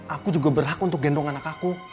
aku juga berhak untuk gendong anak aku